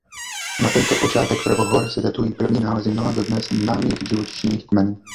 Na tento počátek prvohor se datují první nálezy mnoha dodnes známých živočišných kmenů.